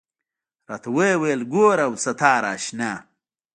راته ويې ويل ګوره عبدالستاره اشنا.